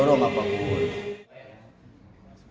setelah mendapatkan pemeriksaan hukum